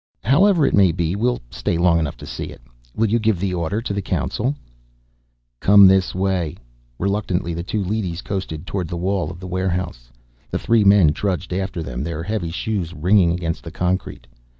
"However it may be, we'll stay long enough to see it. Will you give the order to the Council?" "Come this way." Reluctantly, the two leadys coasted toward the wall of the warehouse. The three men trudged after them, their heavy shoes ringing against the concrete.